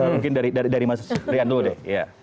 mungkin dari mas rian dulu deh